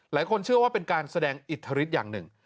เชื่อว่าเป็นการแสดงอิทธิฤทธิ์อย่างหนึ่ง